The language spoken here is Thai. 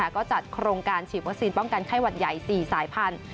ก็จัดโครงการฉีดวัคซีนป้องกันไข้หวัดใหญ่๔สายพันธุ